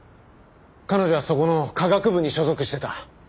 彼女はそこの化学部に所属してた。